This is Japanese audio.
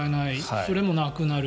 それもなくなる。